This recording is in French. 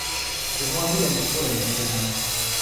Que Joinville aime trop la Méditerranée.